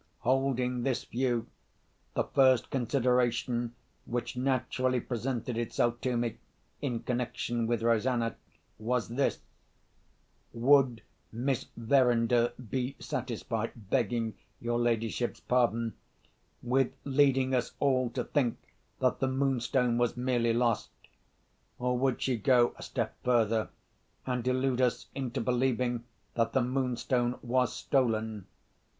Holding this view, the first consideration which naturally presented itself to me, in connection with Rosanna, was this: Would Miss Verinder be satisfied (begging your ladyship's pardon) with leading us all to think that the Moonstone was merely lost? Or would she go a step further, and delude us into believing that the Moonstone was stolen?